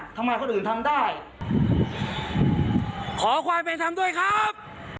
ทำไมคนอื่นทำได้ขอความเป็นธรรมด้วยครับ